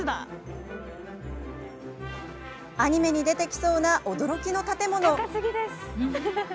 アニメに出てきそうな驚きの建物。